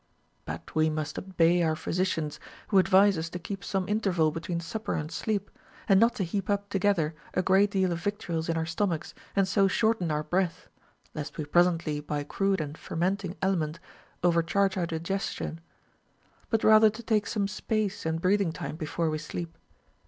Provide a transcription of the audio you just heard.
But we must '272 RULES FOR THE PRESERVATION OF HEALTH. obey our pliysicians, who advise us to keep some interval between supper and sleep, and not to heap up together a great deal of victuals in our stomachs and so shorten our breath (lest we presently by crude and fermenting aliment overcharge our digestion), but rather to take some space and breathing time before we sleep.